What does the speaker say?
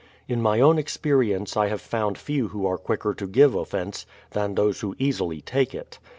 In my own experience I have found few who are quicker to give offence, than those who easily take it.